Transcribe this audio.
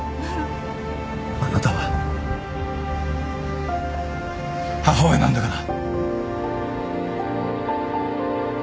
あなたは母親なんだから。